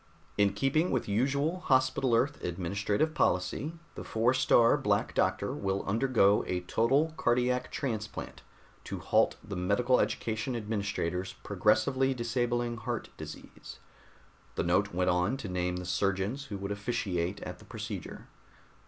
In keeping with usual Hospital Earth administrative policy, the Four star Black Doctor will undergo a total cardiac transplant to halt the Medical education administrator's progressively disabling heart disease." The note went on to name the surgeons who would officiate at the procedure.